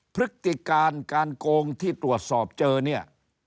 พฤติการการโกงที่ตรวจสอบเจอเนี่ย